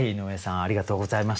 ありがとうございます。